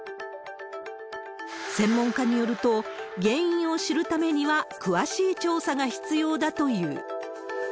専門家によると、原因を知るためには詳しい調査が必要だという。